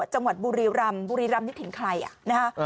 จังหวัดบุรีรำบุรีรำนึกถึงใครนะฮะ